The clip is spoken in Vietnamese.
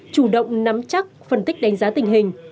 chủ động nắm chắc phân tích đánh giá tình hình